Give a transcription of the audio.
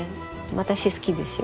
私好きですよ